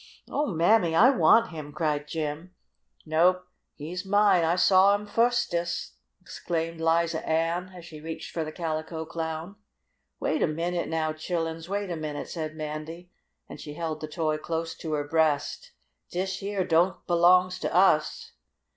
"Oh, Mammy! I want him!" cried Jim. "Nope! He's mine! I saw him, fustest!" exclaimed Liza Ann, and she reached for the Calico Clown. "Wait a minute, now, chilluns. Wait a minute!" said Mandy, and she held the toy close to her breast. "Dish yeah don't belongs to us."